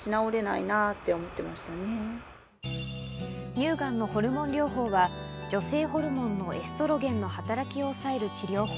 乳がんのホルモン療法は女性ホルモンのエストロゲンの働きを抑える治療法。